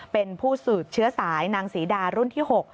เป็นผู้สืบเชื้อสายนางศรีดารุ่นที่๖